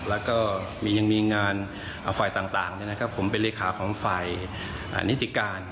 แล้วก็ยังมีงานฝ่ายต่างผมเป็นเลขาของฝ่ายนิติการ